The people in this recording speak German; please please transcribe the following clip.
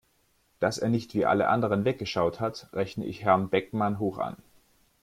Dass er nicht wie alle anderen weggeschaut hat, rechne ich Herrn Beckmann hoch an.